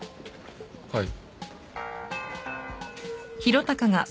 はい。